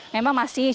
memang masih berjuang